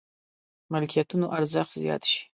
ملکيتونو ارزښت زيات شي.